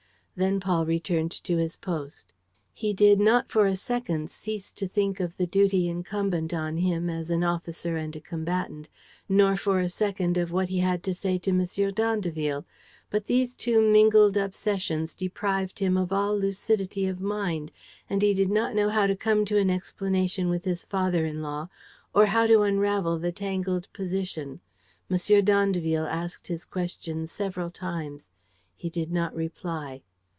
Then Paul returned to his post. He did not for a second cease to think of the duty incumbent on him as an officer and a combatant, nor for a second of what he had to say to M. d'Andeville. But these two mingled obsessions deprived him of all lucidity of mind! and he did not know how to come to an explanation with his father in law or how to unravel the tangled position. M. d'Andeville asked his question several times. He did not reply.